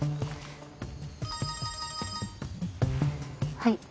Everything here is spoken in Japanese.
はい。